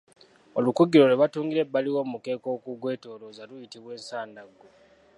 Olukugiro lwe batungira ebbali w’omukeeka okugwetoolooza luyitibwa Ensandaggo.